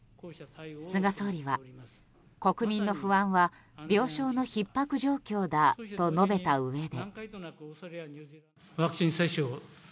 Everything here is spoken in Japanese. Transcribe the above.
菅総理は、国民の不安は病床のひっ迫状況だと述べたうえで。